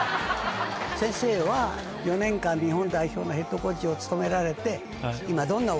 先生は４年間日本代表のヘッドコーチを務められて。